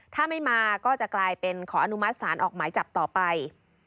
ถ้าไม่มาก็จะกลายเป็นขออนุมัติศาลออกหมายจับต่อไป